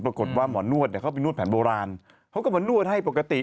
ปรากฏว่าหมอนวดเข้าไปนวดแผ่นโบราณเขาก็มานวดให้ปกติ